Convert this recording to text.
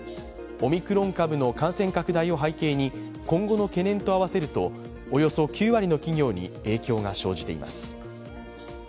オミクロン株の感染拡大を背景に今後の懸念と合わせるとおよそ９割の企業に影響が生じています。